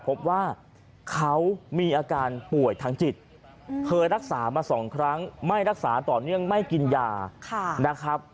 พบว่าเขามีอาการป่วยทางจิตเคยรักษามา๒ครั้งไม่รักษาต่อเนื่องไม่กินยานะครับ